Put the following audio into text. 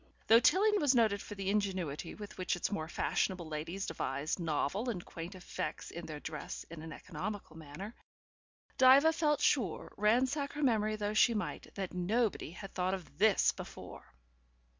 Though Tilling was noted for the ingenuity with which its more fashionable ladies devised novel and quaint effects in the dress in an economical manner, Diva felt sure, ransack her memory though she might, that nobody had thought of THIS before.